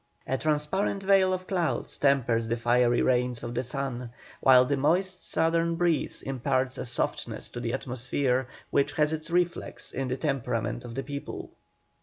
A transparent veil of clouds tempers the fiery rays of the sun, while the moist southern breeze imparts a softness to the atmosphere which has its reflex in the temperament of the people.